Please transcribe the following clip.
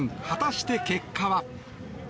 果たして、結果は。